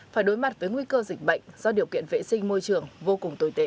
phải đối mặt với nguy cơ dịch bệnh do điều kiện vệ sinh môi trường vô cùng tồi tệ